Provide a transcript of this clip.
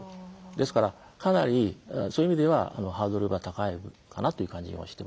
ですからかなりそういう意味ではハードルが高いかなという感じもしていますし。